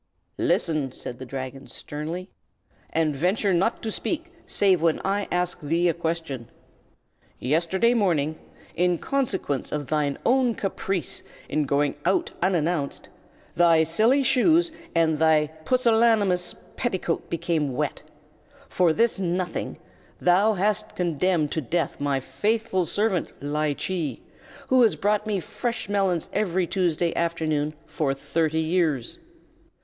"Listen!" said the Dragon, sternly, "and venture not to speak save when I ask thee a question. Yesterday morning, in consequence of thine own caprice in going out unannounced, thy silly shoes and thy pusillanimous petticoat became wet. For this nothing, thou has condemned to death my faithful servant Ly Chee, who has brought me fresh melons every Tuesday afternoon for thirty years.